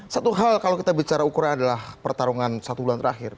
satu hal kalau kita bicara ukuran adalah pertarungan satu bulan terakhir